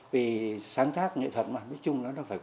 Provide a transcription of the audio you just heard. vì sáng tác nghệ thuật mà nói chung nó phải có cảm xúc